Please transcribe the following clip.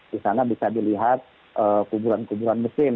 di sana bisa dilihat kuburan kuburan mesin